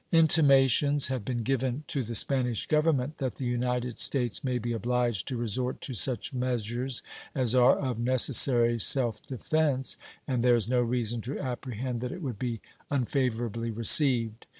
Intimations have been given to the Spanish Government that the United States may be obliged to resort to such measures as are of necessary self defense, and there is no reason to apprehend that it would be unfavorably received.